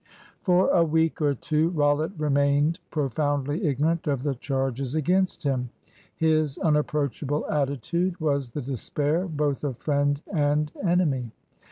For a week or two Rollitt remained profoundly ignorant of the charges against him. His unapproachable attitude was the despair both of friend and enemy.